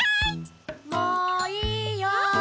・もういいよ。